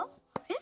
え？